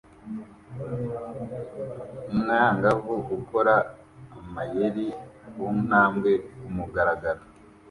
Umwangavu ukora amayeri kuntambwe kumugaragaro